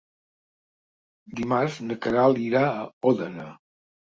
Dimarts na Queralt irà a Òdena.